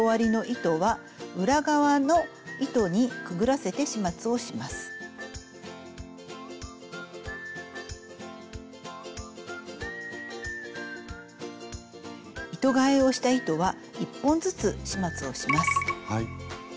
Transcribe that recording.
糸がえをした糸は１本ずつ始末をします。